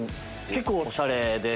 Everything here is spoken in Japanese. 結構おしゃれで。